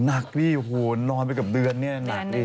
นักดิหูดนอนไปกับเดือนเนี่ยนักดิ